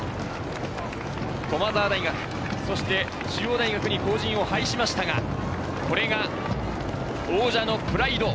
駒澤大学、そして中央大学に後塵を拝しましたがこれが王者のプライド。